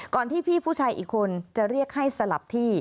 ที่พี่ผู้ชายอีกคนจะเรียกให้สลับที่